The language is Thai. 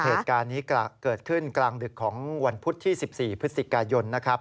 เหตุการณ์นี้เกิดขึ้นกลางดึกของวันพุธที่๑๔พฤศจิกายนนะครับ